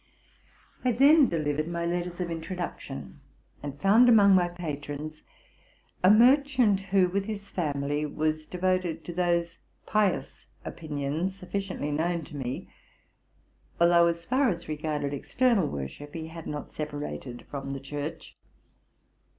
I then delivered my letters of introduction, and found among my patrons a merchant, who, with his fam _ ily, was devoted to those pious opinions sufficiently known to me, although, as far as regarded external worship, he had not separated from the Church.